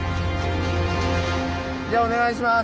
じゃあお願いします！